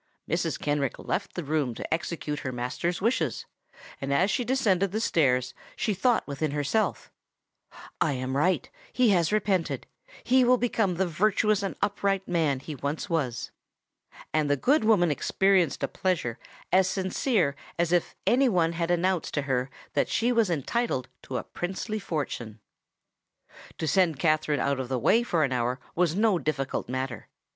Mrs. Kenrick left the room to execute her master's wishes; and, as she descended the stairs, she thought within herself, "I am right! he has repented: he will become the virtuous and upright man he once was!" And the good woman experienced a pleasure as sincere as if any one had announced to her that she was entitled to a princely fortune. To send Katherine out of the way for an hour was no difficult matter.